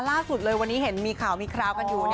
ล่าสุดเลยวันนี้เห็นมีข่าวมีคราวกันอยู่